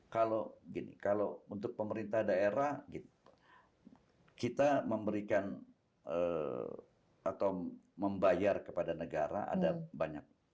kalau gini kalau untuk pemerintah daerah kita memberikan atau membayar kepada negara ada banyak